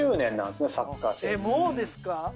えっもうですか？